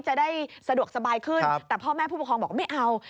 จะได้สะดวกสบายขึ้นแต่พ่อแม่ผู้ปกครองบอกว่าไม่เอา